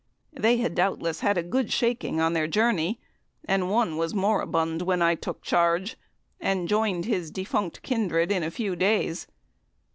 They had doubtless had a good shaking on the journey, and one was moribund when I took charge, and joined his defunct kindred in a few days.